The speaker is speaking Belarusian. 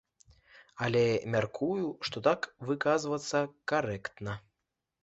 Але мяркую, што так выказвацца карэктна.